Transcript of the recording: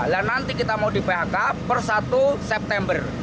dan nanti kita mau di phk per satu september